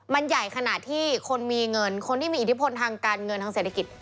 มันใหญ่ขนาดที่คนมีเงินคนที่มีอิทธิพลทางการเงินทางเศรษฐกิจ